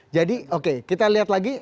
jadi oke kita lihat lagi